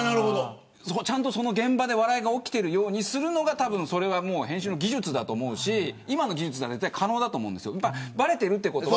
ちゃんと現場で笑いが起きているようにするのがそれが編集の技術だと思うし今の技術なら絶対可能だと思うんですよ。